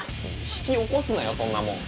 引き起こすなよそんなもん。